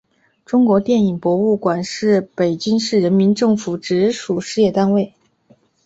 中国电影博物馆是北京市人民政府直属事业单位。